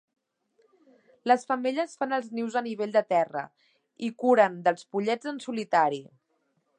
Les femelles fan els nius a nivell de terra i curen dels pollets en solitari.